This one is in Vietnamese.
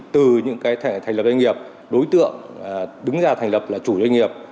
từ những cái thẻ thành lập doanh nghiệp đối tượng đứng ra thành lập là chủ doanh nghiệp